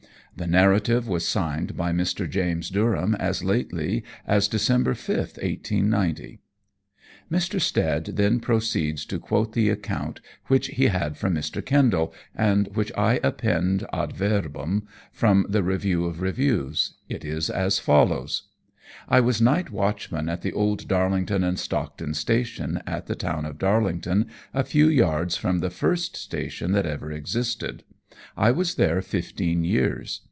The narrative was signed by Mr. James Durham as lately as December 5th, 1890." Mr. Stead then proceeds to quote the account which he had from Mr. Kendall, and which I append ad verbum from the Review of Reviews. It is as follows: "I was night watchman at the old Darlington and Stockton Station at the town of Darlington, a few yards from the first station that ever existed. I was there fifteen years.